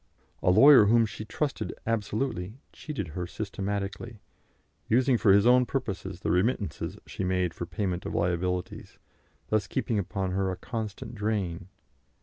A lawyer whom she trusted absolutely cheated her systematically, using for his own purposes the remittances she made for payment of liabilities, thus keeping upon her a constant drain.